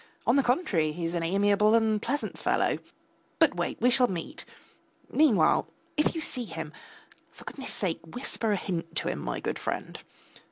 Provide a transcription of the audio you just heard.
On the contrary, he is an amiable and pleasant fellow; but wait, we shall meet; meanwhile if you see him, for goodness' sake whisper a hint to him, my good friend.